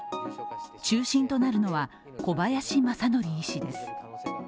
中心となるのは小林正宜医師です。